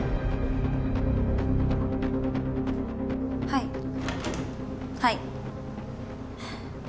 はいはい。